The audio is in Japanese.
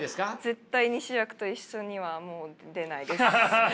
絶対に主役と一緒にはもう出ないです。